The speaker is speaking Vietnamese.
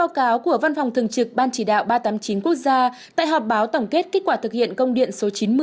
báo cáo của văn phòng thường trực ban chỉ đạo ba trăm tám mươi chín quốc gia tại họp báo tổng kết kết quả thực hiện công điện số chín mươi